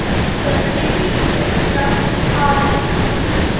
The prefix is from hart (deer).